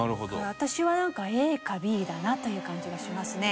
私はなんかＡかＢだなという感じがしますね。